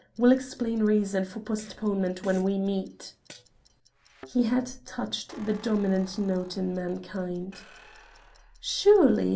Will explain reason for postponement when we meet." He had touched the dominant note in mankind. "Surely!"